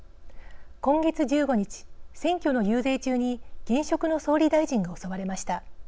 今月１５日、選挙の遊説中に現職の総理大臣が襲われました。